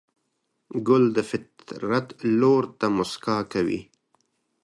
ګل د فطرت لور ته موسکا کوي.